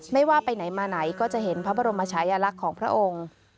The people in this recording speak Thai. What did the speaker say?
ไม่ว่าไปไหนมาไหนก็จะเห็นพระบรมชายลักษณ์ของพระองค์